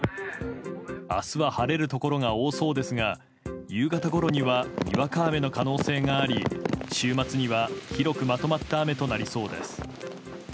明日は晴れるところが多そうですが夕方ごろにはにわか雨の可能性があり週末には広くまとまった雨となりそうです。